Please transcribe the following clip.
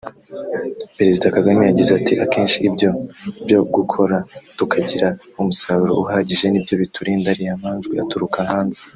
Perezida Kagame yagize ati “Akenshi ibyo byo gukora tukagira umusaruro uhagije ni byo biturinda ariya manjwe aturuka hanze